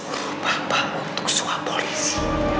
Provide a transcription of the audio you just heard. suruh bapak untuk suap polisi